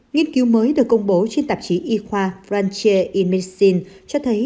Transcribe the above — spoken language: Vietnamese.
nghiên cứu mới được công bố trên tạp chí y khoa franchier in medicine cho thấy